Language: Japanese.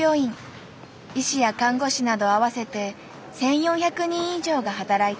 医師や看護師など合わせて１，４００人以上が働いている。